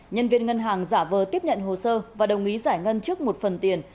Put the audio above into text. nhân viên ngân hàng giả vờ tiếp nhận hồ sơ và đồng ý giải ngân trước một phần tiền